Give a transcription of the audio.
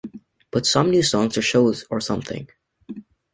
But, some new songs or shows or something.